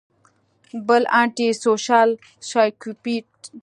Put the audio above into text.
بل انټي سوشل سايکوپېت